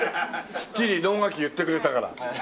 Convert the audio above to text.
きっちり能書き言ってくれたから。